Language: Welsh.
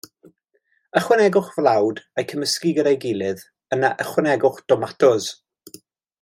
Ychwanegwch flawd a'u cymysgu gyda'i gilydd, yna ychwanegwch domatos.